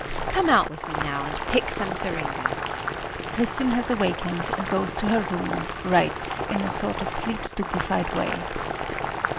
Come out with me now and pick some syringas. [Kristin has awakened and goes to her room, right, in a sort of sleep stupified way.